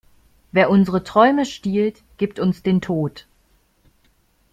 Wer unsere Träume stiehlt, gibt uns den Tod.